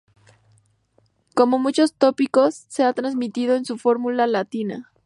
Como muchos tópicos, se ha transmitido en su formulación latina.